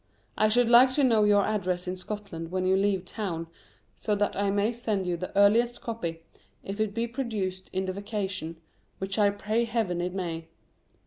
I should like to know your address in Scotland when you leave town, so that I may send you the earliest copy if it be produced in the vacation, which I pray Heaven it may.